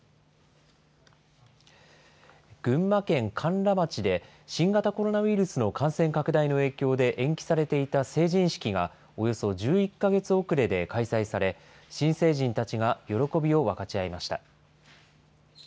群馬県甘楽町で、新型コロナウイルスの感染拡大の影響で延期されていた成人式がおよそ１１か月遅れで開催され、新成人たちが喜びを分かち合いました。